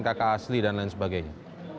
kakak asli dan lain sebagainya